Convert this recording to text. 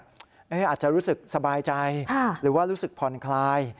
อาจจะรู้สึกสบายใจหรือว่ารู้สึกผ่อนคลาย